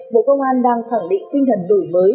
bộ công an đang khẳng định tinh thần đổi mới